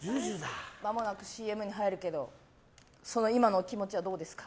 まもなくＣＭに入るけど今のお気持ちはどうですか？